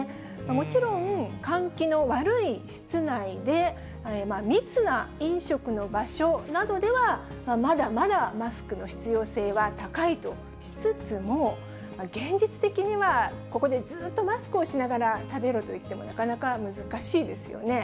もちろん、換気の悪い室内で、密な飲食の場所などでは、まだまだマスクの必要性は高いとしつつも、現実的には、ここでずっとマスクをしながら食べろと言っても、なかなか難しいですよね。